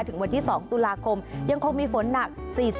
ถึงวันที่๒ตุลาคมยังคงมีฝนหนัก๔๐